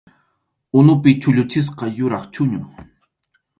Unupi chulluchisqa yuraq chʼuñu.